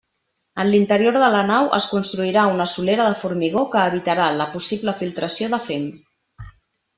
En l'interior de la nau es construirà una solera de formigó que evitarà la possible filtració de fem.